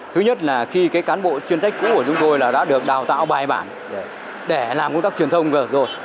thứ nhất là khi cái cán bộ chuyên trách cũ của chúng tôi là đã được đào tạo bài bản để làm công tác truyền thông về rồi